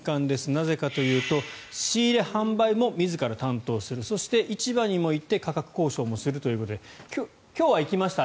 なぜかというと仕入れ・販売も自ら担当するそして、市場にも行って価格交渉もするということで今日は行きました？